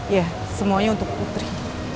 ya semuanya untuk putri